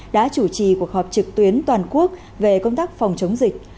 đã chủ trì cuộc họp trực tuyến toàn quốc về công tác phòng chống dịch